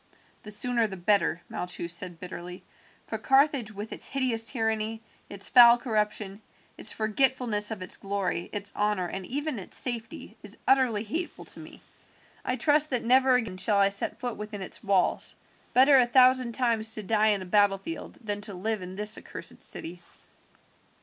"The sooner the better," Malchus said bitterly, "for Carthage with its hideous tyranny, its foul corruption, its forgetfulness of its glory, its honour, and even its safety, is utterly hateful to me. I trust that never again shall I set foot within its walls. Better a thousand times to die in a battlefield than to live in this accursed city."